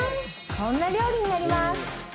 こんな料理になります。